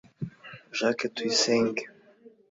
Jacques Tuyisenge